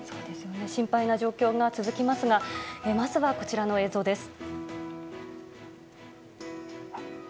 心配な状況が続きますがまずはこちらの映像です。